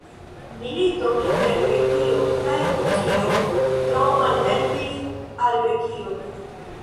Milito inter Grekio kaj Turkio tro malhelpis al Grekio.